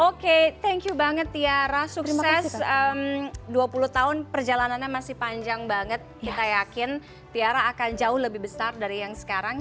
oke thank you banget tiara sukses dua puluh tahun perjalanannya masih panjang banget kita yakin tiara akan jauh lebih besar dari yang sekarang